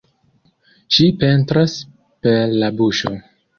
Ŝi pentras per la buŝo.